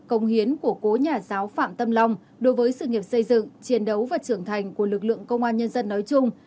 công hiến của cố nhà giáo phạm tâm long đối với sự nghiệp xây dựng chiến đấu và trưởng thành của lực lượng công an nhân dân nói chung